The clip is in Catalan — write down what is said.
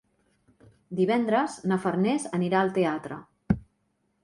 Divendres na Farners anirà al teatre.